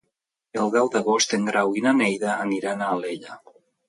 El deu d'agost en Grau i na Neida aniran a Alella.